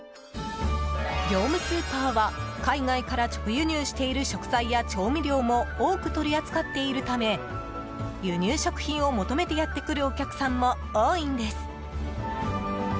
業務スーパーは海外から直輸入している食材や調味料も多く取り扱っているため輸入食品を求めてやってくるお客さんも多いんです。